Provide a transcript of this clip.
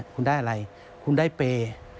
คุณได้อะไรคุณได้เปย์